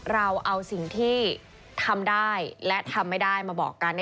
เราเอาสิ่งที่ทำได้และทำไม่ได้มาบอกกัน